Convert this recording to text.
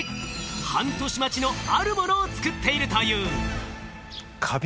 半年待ちのあるものを作っているという。